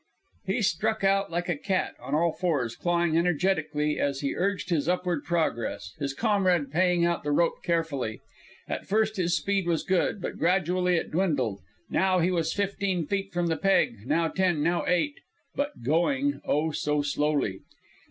He struck out like a cat, on all fours, clawing energetically as he urged his upward progress, his comrade paying out the rope carefully. At first his speed was good, but gradually it dwindled. Now he was fifteen feet from the peg, now ten, now eight but going, oh, so slowly!